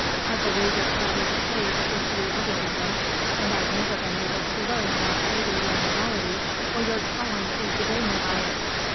I believe it's rather the case with you other English, and I've never been able to learn that either your morality or your talent is the gainer by it.